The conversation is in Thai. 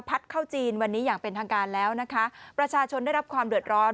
เข้าจีนวันนี้อย่างเป็นทางการแล้วนะคะประชาชนได้รับความเดือดร้อน